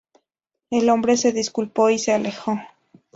El hombre se disculpó y se alejó.